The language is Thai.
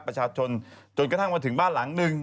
ประชาชนจนกระทั่งมาถึงบ้านหลังหนึ่ง